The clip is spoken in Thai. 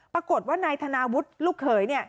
ปรากฏว่านายธนาวุฒิลูกเขยเนี่ย